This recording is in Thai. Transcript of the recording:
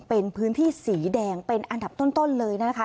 เป็นพื้นที่สีแดงเป็นอันดับต้นเลยนะคะ